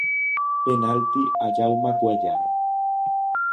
Penalti a Jaume Cuéllar.